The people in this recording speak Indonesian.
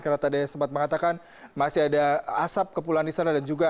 karena tadi sempat mengatakan masih ada asap kepulauan di sana